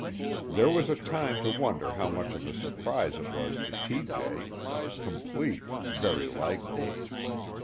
There was time to wonder how much of a surprise it was to T.J. complete, very likely.